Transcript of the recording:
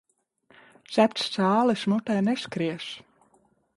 Cepts cālis mutē neskries.